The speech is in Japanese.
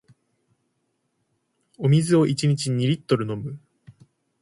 お水を一日二リットル飲む